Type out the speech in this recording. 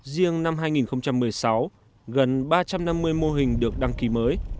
riêng năm hai nghìn một mươi sáu gần ba trăm năm mươi mô hình được đăng ký mới